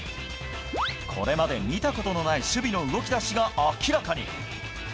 これまで見たことのない守備の動き出しが明らかに。